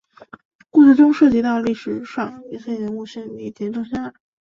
故事中涉及到历史上与这些人相关的一件真实凶杀案。